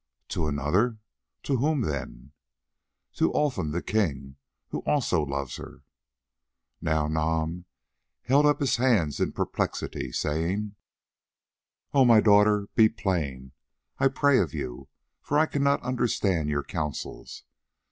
"To another! To whom then?" "To Olfan the king, who also loves her." Now Nam held up his hands in perplexity, saying: "Oh! my daughter, be plain, I pray of you, for I cannot understand your counsels.